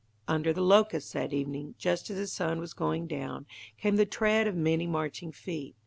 Under the locusts that evening, just as the sun was going down, came the tread of many marching feet.